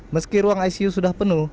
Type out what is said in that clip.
meski ruang icu sudah penuh